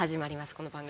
この番組。